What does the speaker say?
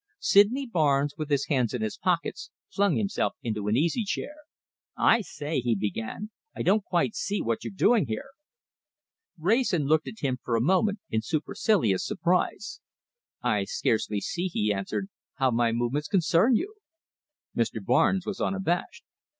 Sydney Barnes, with his hands in his pockets, flung himself into an easy chair. "I say," he began, "I don't quite see what you're doing here." Wrayson looked at him for a moment in supercilious surprise. "I scarcely see," he answered, "how my movements concern you." Mr. Barnes was unabashed.